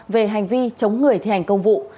về hành vi chống người thi hành công vụ